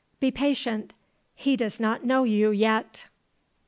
Be patient. He does not know you yet."